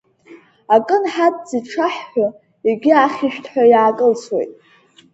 Акы нҳадҵит шаҳҳәо, егьи ахьышәҭҳәа иаакылсуеит.